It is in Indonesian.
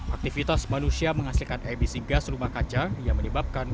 aktivitas manusia menghasilkan emisi gas rumah kaca yang menyebabkan